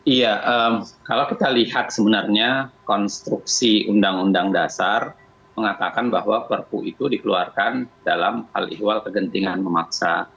iya kalau kita lihat sebenarnya konstruksi undang undang dasar mengatakan bahwa perpu itu dikeluarkan dalam al ihwal kegentingan memaksa